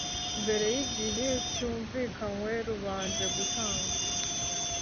Mbere y igihe cyumvikanywe rubanje gutanga